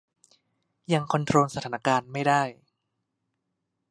ยังคอนโทรลสถานการณ์ไม่ได้